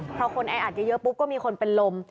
พอคนแออัดเยอะปุ๊บก็มีคนเป็นลม